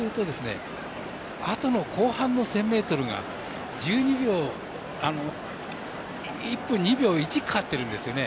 あとの後半の１０００ｍが１分２秒１かかってるんですよね。